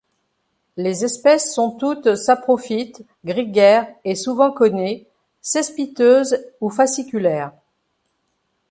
Les espèces sont toutes saprophytes, grégaires et souvent connées, cespiteuses ou fasciculaires.